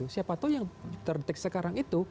siapa tahu yang terdeteksi sekarang itu